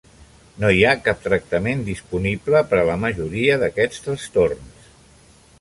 No hi ha cap tractament disponible per a la majoria d'aquests trastorns.